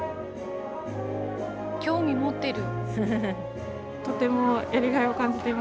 興味持ってる。